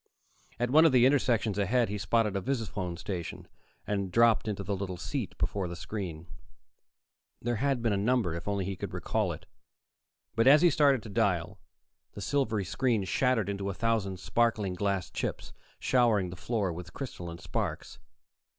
At one of the intersections ahead, he spotted a visiphone station, and dropped onto the little seat before the screen. There had been a number, if only he could recall it. But as he started to dial, the silvery screen shattered into a thousand sparkling glass chips, showering the floor with crystal and sparks.